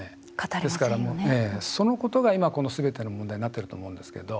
ですから、そのことが今このすべての問題になっていると思うんですけど。